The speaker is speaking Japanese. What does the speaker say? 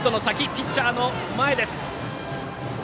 ピッチャーの前です。